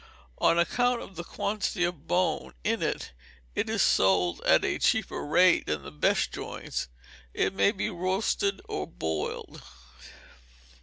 On account of the quantity of bone in it, it is sold at a cheaper rate than the best joints. It may be roasted or boiled.